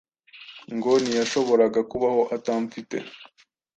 ngo ntiyashoboraga kubaho atamfite.